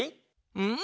うん！